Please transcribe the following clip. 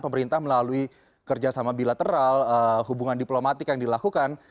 pemerintah melalui kerjasama bilateral hubungan diplomatik yang dilakukan